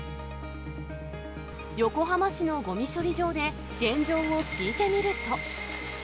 横浜市のごみ処理場で現状を聞いてみると。